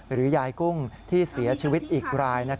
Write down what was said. หรือยายกุ้งที่เสียชีวิตอีกราย